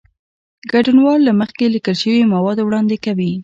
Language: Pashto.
ګډونوال له مخکې لیکل شوي مواد وړاندې کوي.